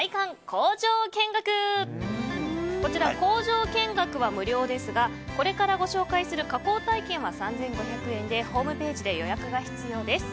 工場見学こちら工場見学は無料ですがこれからご紹介する加工体験は３５００円でホームページで予約が必要です。